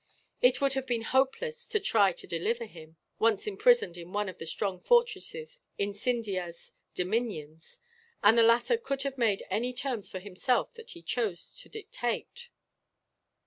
It would have been hopeless to try to deliver him, once imprisoned in one of the strong fortresses in Scindia's dominions; and the latter could have made any terms for himself that he chose to dictate.